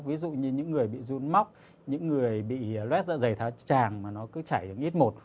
ví dụ như những người bị run móc những người bị lét ra giày tháo tràng mà nó cứ chảy được ít một